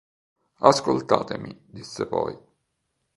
Ascoltatemi, disse poi.